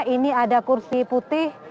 ini ada kursi putih